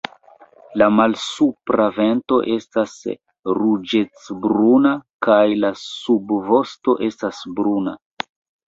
La malsupra ventro estas ruĝecbruna kaj la subvosto estas bruna.